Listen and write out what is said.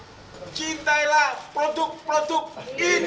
cintailah produk produk indonesia